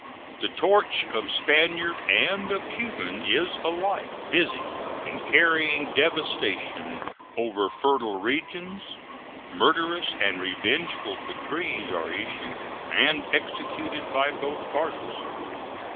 The torch of Spaniard and of Cuban is alike busy in carrying devastation over fertile regions; murderous and revengeful decrees are issued and executed by both parties.